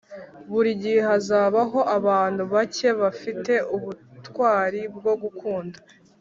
“buri gihe hazabaho abantu bake bafite ubutwari bwo gukunda